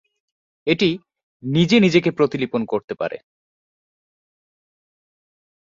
এটি নিজে নিজেকে প্রতিলিপন করতে পারে।